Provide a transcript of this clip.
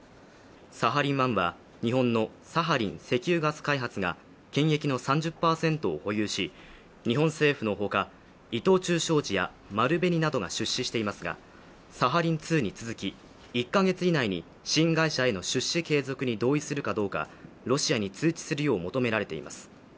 サハリン１は日本のサハリン石油・天然ガス開発が権益の３０％を保有し日本政府の他、伊藤忠商事や丸紅などが出資していますが、サハリン２に続き１か月以内に１か月以内に新会社への出資継続に同意するかどうかロシアに通知するよう求められています。